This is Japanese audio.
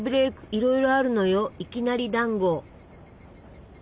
いろいろあるのよいきなりだんご！